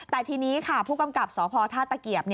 แต่ทีนี้ค่ะผู้กำกับสพท่าตะเกียบ